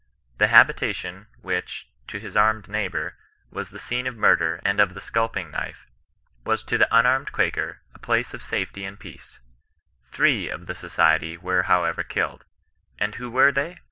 The habitation, which, to his armed neighbour, was the scene of murder and of the scaJping knife, was to the unarmed Quaker a place of safety and of peace. Three of the Society were however killed. And who were they